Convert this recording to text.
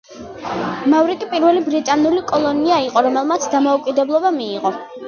მავრიკი პირველი ბრიტანული კოლონია იყო, რომელმაც დამოუკიდებლობა მიიღო.